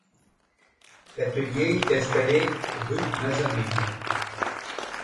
L'atelier est installé rue Mazarine.